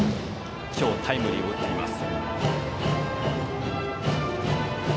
今日タイムリーを打っています。